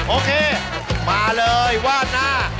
โอเคมาเลยว่าหน้า